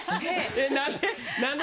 何で？